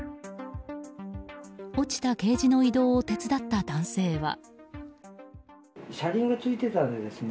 落ちたケージの移動を手伝った男性は。